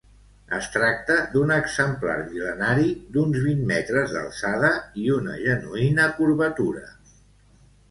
Es tracta d'un exemplar mil·lenari d'uns vint metres d'alçada i una genuïna curvatura.